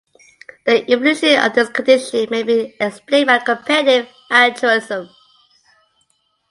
The evolution of this condition may be explained by competitive altruism.